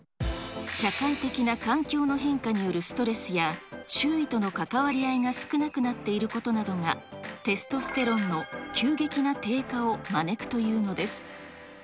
社会的な環境の変化によるストレスや周囲との関わり合いが少なくなっていることなどが、テストステロンの急激な低下を招くというのです。